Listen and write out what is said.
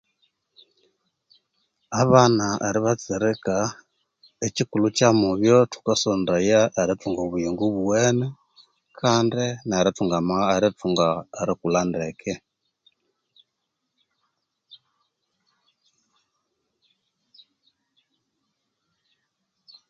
Abana eribatsirika ekyikulhu kyamubyo thukasondaya erithunga obuyingo obuwene kandi nerithunga amagha erikulha ndeke